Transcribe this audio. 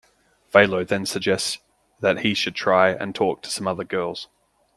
Valo then suggests that he should try and talk to some other girls.